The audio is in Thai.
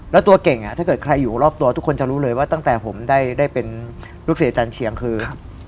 แล้วตัวเก่งถ้าเกิดใครอยู่รอบตัวทุกคนจะรู้เลยว่าตั้งแต่ผมได้เป็นลูกเสียอาจารย์เชียงคือ